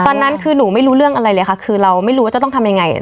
ตอนนั้นคือหนูไม่รู้เรื่องอะไรเลยค่ะคือเราไม่รู้ว่าจะต้องทำยังไง